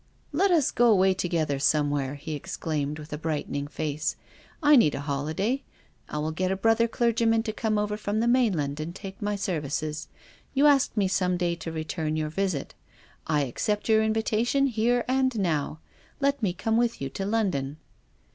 " Let us go away together somewhere," he ex claimed, with a brightening face. " I need a holi day. I will get a brother clergyman to come over from the mainland and take my services. You asked me some day to return your visit. I accept your invitation here and now. Let me come with you to London."